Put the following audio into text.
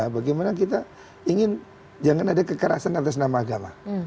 bagaimana kita ingin jangan ada kekerasan atas nama agama